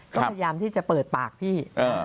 ก็พยายามที่จะเปิดปากพี่